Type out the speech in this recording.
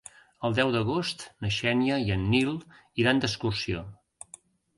El deu d'agost na Xènia i en Nil iran d'excursió.